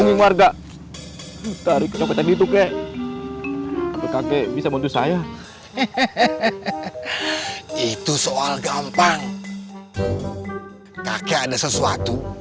mengingat warga tarik ke copetan itu kek kakek bisa bantu saya itu soal gampang kakek ada sesuatu